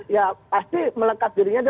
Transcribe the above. ya pasti melekat dirinya